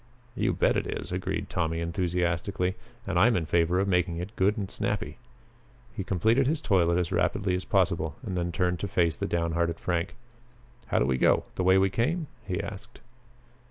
"You bet it is!" agreed Tommy enthusiastically, "and I'm in favor of making it good and snappy." He completed his toilet as rapidly as possible and then turned to face the down hearted Frank. "How do we go? The way we came?" he asked.